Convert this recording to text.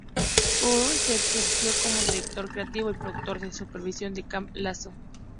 O'Hare se ejerció como director creativo y productor de supervisión en Camp Lazlo.